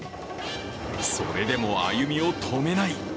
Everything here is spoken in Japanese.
それでも歩みを止めない。